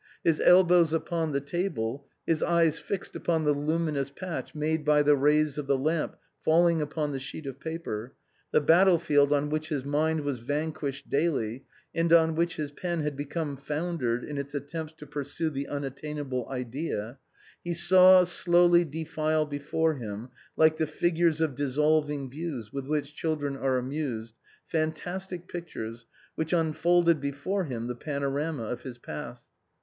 His elbows upon the table, his eyes fixed upon the luminous patch made by the rays of the lamp falling upon the sheet of paper, — the battle field on which his mind was van quished daily, and on which his pen had become foundered in its attempts to pursue the unattainable idea — he saw slowly defile before him, like the figures of dissolving views with which children are amused, fantastic pictures which unfolded before him the panorama of his past.